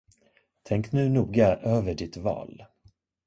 Tänk nu noga över ditt val!